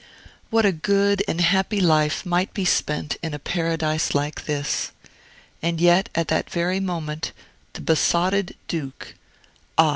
What a good and happy life might be spent in a paradise like this! And yet, at that very moment, the besotted Duke (ah!